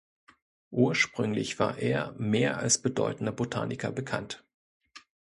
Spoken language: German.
Ursprünglich war er mehr als bedeutender Botaniker bekannt.